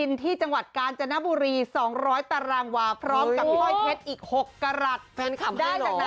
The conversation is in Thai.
ได้จากไหนทีมสปอนเซอร์ให้มา